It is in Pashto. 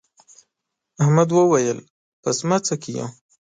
احمد وويل: په سمڅه کې یو.